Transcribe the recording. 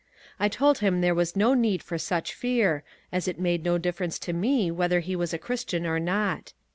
I told him there was no need for such fear, as it made no difference to me whether he was a Christian or not.